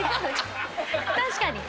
確かに。